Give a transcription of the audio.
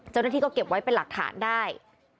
เจ้าหน้าที่ก็เก็บไว้เป็นหลักฐานได้